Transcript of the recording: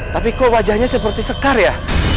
tapi kok wajahnya seperti sekar ya